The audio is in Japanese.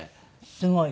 すごい。